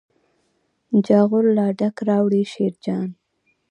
جاغور لا ډک راوړي شیرجان.